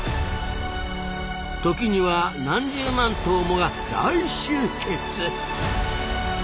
時には何十万頭もが大集結！